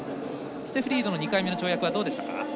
ステフ・リードの２回目の跳躍どうでしたか。